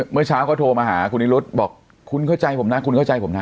เมื่อเช้าเขาโทรมาหาคุณนิรุธบอกคุณเข้าใจผมนะคุณเข้าใจผมนะ